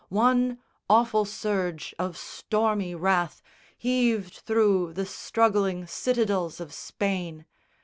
One awful surge of stormy wrath Heaved thro' the struggling citadels of Spain.